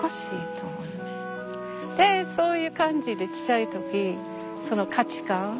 でそういう感じでちっちゃい時その価値観合わないと思った私。